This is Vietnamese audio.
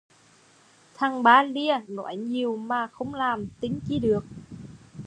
Thằng ba lia, nói nhiều mà không làm, tin chi được